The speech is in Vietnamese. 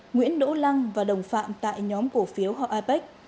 nguyễn đỗ lăng và đồng phạm tại nhóm cổ phiếu họ ipec